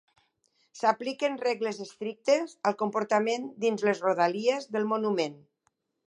S'apliquen regles estrictes al comportament dins les rodalies del monument.